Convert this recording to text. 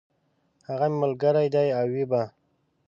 هغه مي ملګری دی او وي به !